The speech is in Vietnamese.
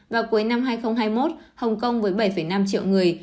vào cuối năm hai nghìn hai mươi một hồng kông với bảy năm triệu người